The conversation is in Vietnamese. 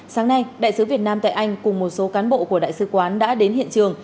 sáng nay đại sứ việt nam tại anh cùng một số cán bộ của đại sứ quán đã đến hiện trường